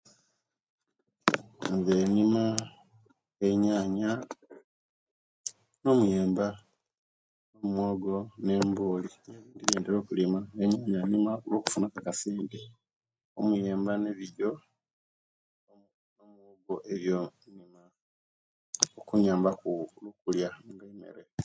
Nze enima enyaya nomuyemba, nomuwogo ne emboli biyenima luwo kufunaku akasente, omuyemba ne bijo ibiyo binyamba ku kuliya